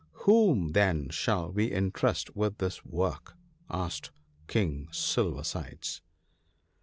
" Whom, then, shall we entrust with this work ?" asked King Silver sides.